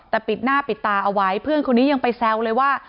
แต่ปิดหน้าปิดตาเอาไว้เพื่อนคนนี้ยังไปแซวเลยว่า